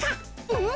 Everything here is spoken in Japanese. うん？